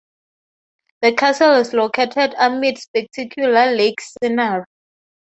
The castle is located amid spectacular lake scenery.